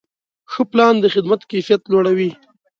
ښه پلان د خدمت کیفیت لوړوي.